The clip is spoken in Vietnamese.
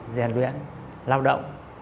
giàn luyện lao động